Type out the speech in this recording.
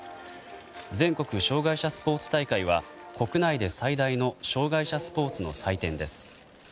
全国障害者スポーツ大会は国内で最大の障害者スポーツの祭典です。